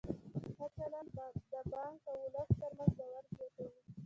ښه چلند د بانک او ولس ترمنځ باور زیاتوي.